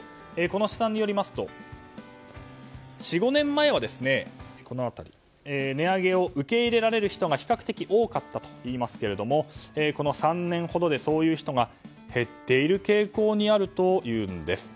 この試算によりますと４５年前は値上げを受け入れられる人が比較的多かったんですがここ３年ほどでそういう人が減っている傾向にあるというんです。